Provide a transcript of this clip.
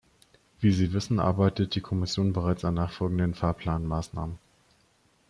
Wie Sie wissen, arbeitet die Kommission bereits an nachfolgenden Fahrplanmaßnahmen.